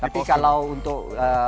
tapi kalau untuk